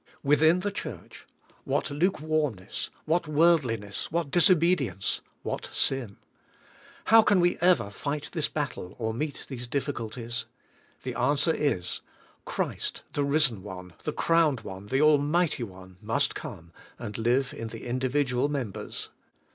Within the Church what lukewarmness, what worldliness, what disobedience, what sin! How can we ever light this battle, or meet these difficulties? The answer is: Christ, the risen One, 86 CHRIST OUR LIFE the crowned One, the almighty One, must come, and live in the individual members.